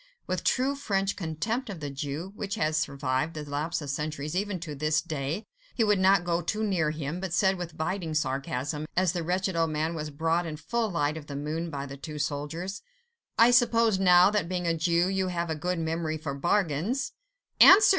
With true French contempt of the Jew, which has survived the lapse of centuries even to this day, he would not go too near him, but said with biting sarcasm, as the wretched old man was brought in full light of the moon by the two soldiers,— "I suppose now, that being a Jew, you have a good memory for bargains?" "Answer!"